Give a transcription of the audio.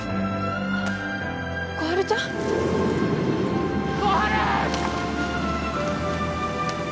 小春ちゃん小春！